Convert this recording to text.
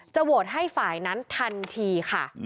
โหวตให้ฝ่ายนั้นทันทีค่ะ